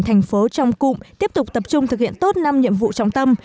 thành phố trong cụm tiếp tục tập trung thực hiện tốt năm nhiệm vụ trọng tâm